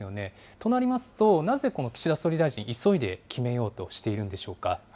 となりますと、なぜこの、岸田総理大臣、急いで決めようとしているんでしょうか。